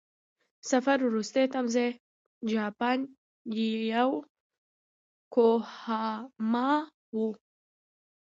د سفر وروستی تمځی جاپان یوکوهاما و.